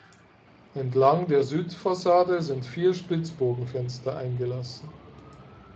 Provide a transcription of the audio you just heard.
Entlang der Südfassade sind vier Spitzbogenfenster eingelassen.